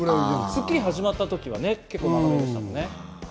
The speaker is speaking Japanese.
『スッキリ』が始まった時は結構長めでしたもんね。